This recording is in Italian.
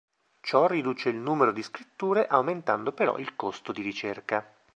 Ciò riduce il numero di scritture aumentando però il costo di ricerca.